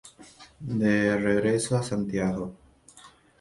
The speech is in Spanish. De regreso a Santiago.